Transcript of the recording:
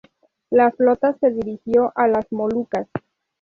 La flota se dirigió a las Molucas.